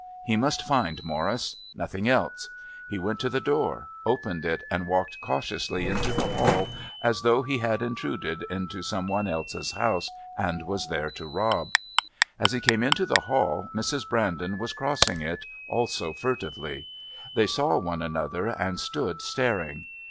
He must find Morris. Nothing else. He went to the door, opened it, and walked cautiously into the hall as though he had intruded into some one else's house and was there to rob. As he came into the hall Mrs. Brandon was crossing it, also furtively. They saw one another and stood staring.